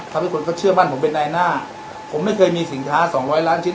ทำให้คนเขาเชื่อมั่นผมเป็นนายหน้าผมไม่เคยมีสินค้าสองร้อยล้านชิ้น